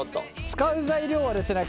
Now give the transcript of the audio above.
使う材料はですね